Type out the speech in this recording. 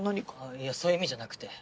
いやそういう意味じゃなくて。